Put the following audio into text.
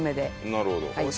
なるほど。